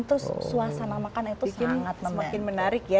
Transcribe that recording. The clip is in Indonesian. terus suasana makan itu semakin menarik ya